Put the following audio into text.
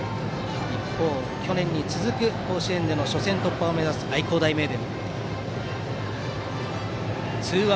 一方、去年に続く甲子園の初戦突破を目指す愛工大名電。